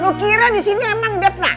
lu kira di sini emang depna